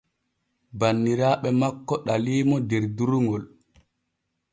Banniraaɓe makko ɗaliimo der durŋol.